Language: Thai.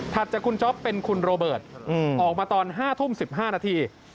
จากคุณจ๊อปเป็นคุณโรเบิร์ตออกมาตอน๕ทุ่ม๑๕นาที